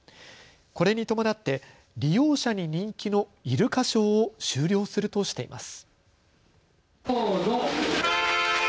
これに伴って利用者に人気のイルカショーを終了するとしています。